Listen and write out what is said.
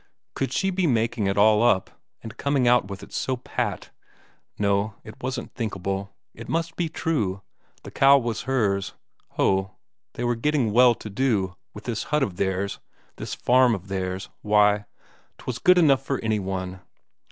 Could she be making it all up, and coming out with it so pat? No, it wasn't thinkable. It must be true, the cow was hers. Ho, they were getting well to do, with this hut of theirs, this farm of theirs; why, 'twas good enough for any one.